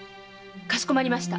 かしこまりました。